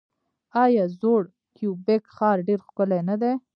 آیا زوړ کیوبیک ښار ډیر ښکلی نه دی؟